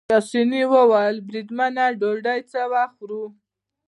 پاسیني وویل: بریدمنه ډوډۍ څه وخت خورو؟